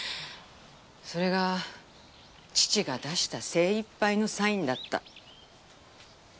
それが父が出した精一杯のサインだった。